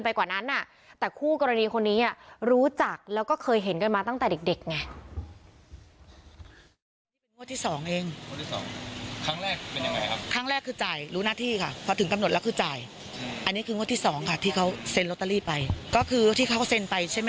ไปกว่าน่ะแต่คู่กรณีคนนี้อ่ะรู้จักแล้วก็เคยเห็นกัน